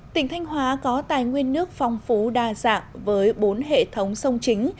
tỉnh thanh hóa có tài nguyên nước phong phú đa dạng với bốn hệ thống sông chính